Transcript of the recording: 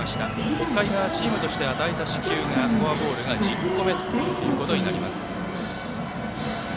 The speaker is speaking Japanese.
北海がチームとして与えた四死球が、フォアボールが１０個目ということになります。